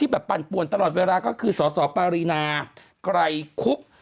ที่แบบปั่นปวนตลอดเวลาก็คือสอสอปริณาไกลคุบ